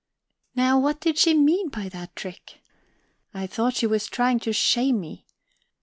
Now what did she mean by that trick? I thought she was trying to shame me.